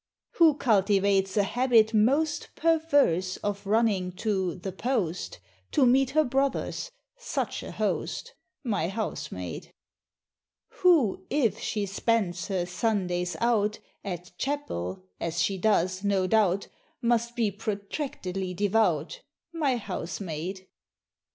Who cultivates a habit most Perverse, of running to "The Post" To meet her brothers (such a host!)? My Housemaid. Who, if she spends her "Sundays out" At Chapel, as she does, no doubt, Must be protractedly devout? My Housemaid.